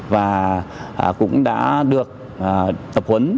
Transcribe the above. và cũng đã được tập huấn